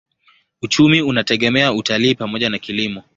Uchumi unategemea utalii pamoja na kilimo.